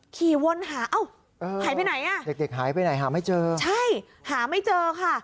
ขี่วนหาเอ้าหายไปไหนอ่ะเด็กหายไปไหนหาไม่เจอใช่หาไม่เจอค่ะ